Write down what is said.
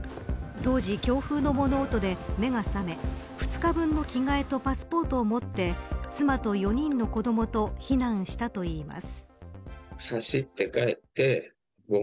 当時、強風の物音で目がさめ２日分の着替えとパスポートを持って妻と４人の子どもと避難したといいます。